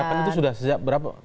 itu harapan itu sudah sejak berapa